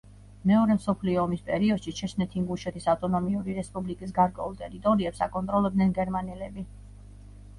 მეორე მსოფლიო ომის პერიოდში ჩეჩნეთ-ინგუშეთის ავტონომიური რესპუბლიკის გარკვეულ ტერიტორიებს აკონტროლებდნენ გერმანელები.